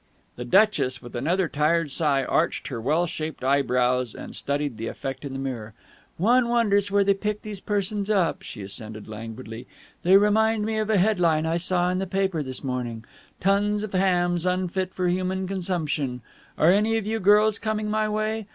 The duchess, with another tired sigh, arched her well shaped eyebrows and studied the effect in the mirror. "One wonders where they pick these persons up," she assented languidly. "They remind me of a headline I saw in the paper this morning 'Tons of Hams Unfit for Human Consumption.' Are any of you girls coming my way?